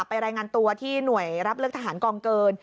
รายงานตัวที่หน่วยรับเลือกทหารกองเกิน